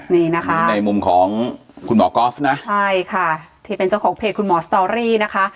นี่นะคะในมุมของคุณหมอก๊อฟนะใช่ค่ะที่เป็นเจ้าของเพจคุณหมอสตอรี่นะคะ